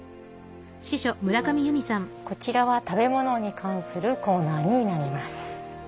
こちらは食べ物に関するコーナーになります。